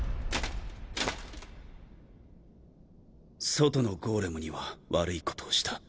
外のゴーレムには悪いことをした。